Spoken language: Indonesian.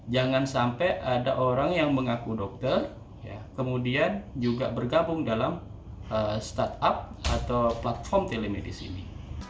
jangan sampai ada orang yang mengaku dokter kemudian juga bergabung dalam startup atau platform telemedicine